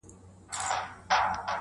تر شهپر یې لاندي کړی سمه غر دی!.